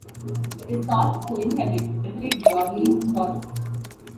It is thought to inhabit temperate broadleaf forests.